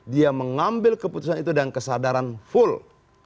dia mengambil keputusan itu dengan kesadaran full